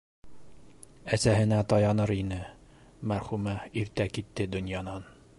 Әсәһенә таяныр ине - мәрхүмә иртә китте донъянан.